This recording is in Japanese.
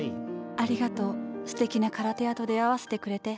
ありがとうすてきなカラテアと出会わせてくれて。